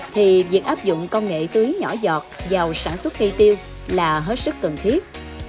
thì việc áp dụng công nghệ tưới nhỏ giọt vào sản xuất cây tiêu là hết sức cần thiết